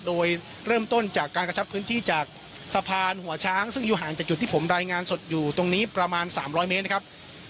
โดยเริ่มต้นจากการกระชับพื้นที่จากสะพานหัวช้างซึ่งอยู่ห่างจากจุดที่ผมรายงานสดอยู่ตรงนี้ประมาณ๓๐๐เมตรนะครับ